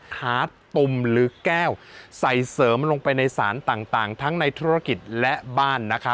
ขาตุ่มหรือแก้วใส่เสริมลงไปในสารต่างทั้งในธุรกิจและบ้านนะคะ